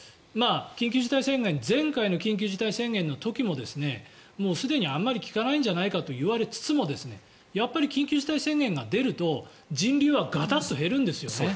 前回の緊急事態宣言の時ももうすでにあまり効かないんじゃないかと言われつつもやっぱり緊急事態宣言が出ると人流はがたんと減るんですよね